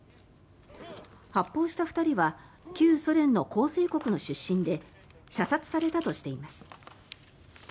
発砲した２人は旧ソ連の構成国の出身で射殺されたとしています。